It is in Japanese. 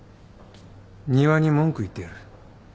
仁和に文句言ってやる。